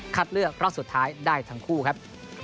เลือกรอบสุดท้ายได้ทั้งคู่ครับ